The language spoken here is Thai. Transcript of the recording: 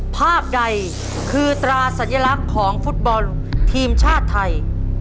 ภาพใดคือตราสัญลักษณ์ของฟุตบอลทีมชาติไทย